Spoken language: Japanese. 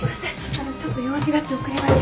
あのちょっと用事があって遅れました。